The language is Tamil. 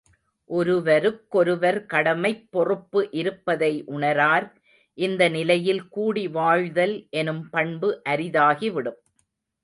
ஒருவருக்கொருவர் கடமைப் பொறுப்பு இருப்பதை உணரார், இந்த நிலையில் கூடி வாழ்தல் எனும் பண்பு அரிதாகிவிடும்.